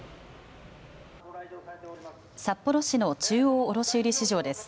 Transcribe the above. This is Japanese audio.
札幌市の中央卸売市場です。